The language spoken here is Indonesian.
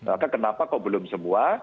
maka kenapa kok belum semua